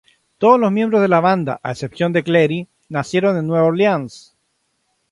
Todos los miembros de la banda, a excepción de Cleary, nacieron en Nueva Orleans.